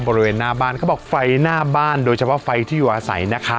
บริเวณหน้าบ้านเขาบอกไฟหน้าบ้านโดยเฉพาะไฟที่อยู่อาศัยนะคะ